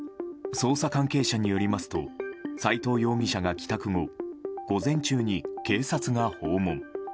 捜査関係者によりますと斎藤容疑者が帰宅後午前中に警察が訪問。